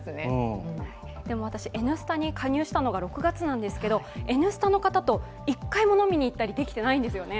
でも私、「Ｎスタ」に加入したのが６月なんですけど、「Ｎスタ」の方と１回も飲みに行ったりできてないんですよね。